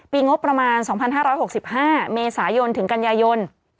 งบประมาณ๒๕๖๕เมษายนถึงกันยายน